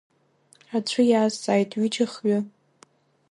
Аӡәы иазҵааит, ҩыџьа, хҩы…